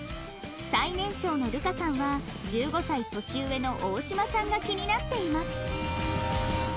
最年少の流佳さんは１５歳年上の大島さんが気になっています